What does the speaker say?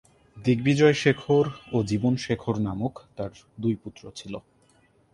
দিগ্বিজয় শেখর ও জীবন শেখর নামক তার দুই পুত্র ছিল।